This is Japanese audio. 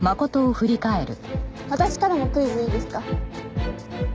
私からもクイズいいですか？